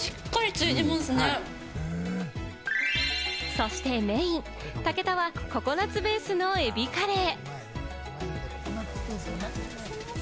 そしてメイン、武田はココナツベースのエビカレー。